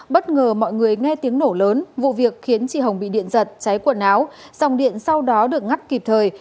bất ngờ mọi người nghe tiếng nổ lớn vụ việc khiến chị hồng bị điện giật cháy quần áo dòng điện sau đó được ngắt kịp thời